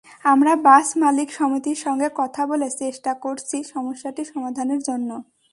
আমরা বাস মালিক সমিতির সঙ্গে কথা বলে চেষ্টা করছি সমস্যাটি সমাধানের জন্য।